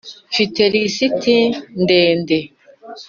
Mfite lisite ndede.